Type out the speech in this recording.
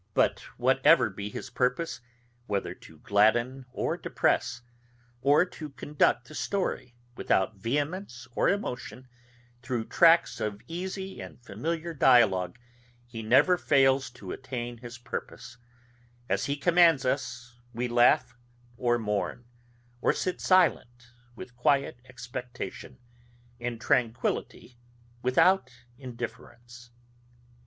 But whatever be his purpose, whether to gladden or depress, or to conduct the story, without vehemence or emotion, through tracts of easy and familiar dialogue, he never fails to attain his purpose; as he commands us, we laugh or mourn, or sit silent with quiet expectation, in tranquillity without indifference.